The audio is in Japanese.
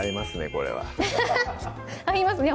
これは合いますね